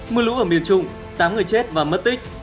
mưa lũ ở miền trung tám người chết và mất tích